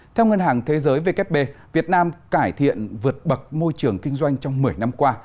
theo ngân hàng thế giới vkp việt nam cải thiện vượt bậc môi trường kinh doanh trong một mươi năm qua